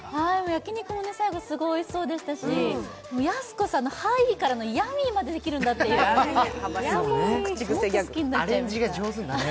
焼き肉も最後、おいしそうでしたしやす子さんからのヤミーまでできるんだという、もっと好きになっちゃいました。